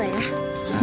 akhirnya selesai ya